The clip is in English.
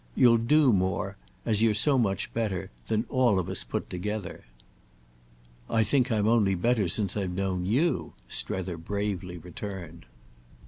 "You'll do more—as you're so much better—than all of us put together." "I think I'm only better since I've known you!" Strether bravely returned.